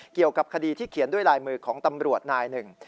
เกี่ยวกับคดีที่เขียนด้วยลายมือของตำรวจนายหนึ่ง